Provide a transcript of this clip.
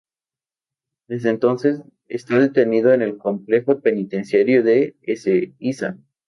Desde entonces, está detenido en el Complejo Penitenciario de Ezeiza.